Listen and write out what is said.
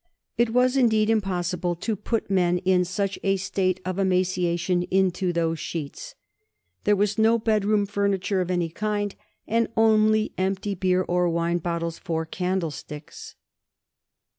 It was indeed impossible to put men in such a state of emaciation into those sheets. There was no bedroom furniture of any kind, and only empty beer or wine bottles for candlesticks."